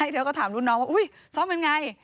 เธอก็ถามรุ่นน้องว่าอุ๊ยซ่อมเป็นไง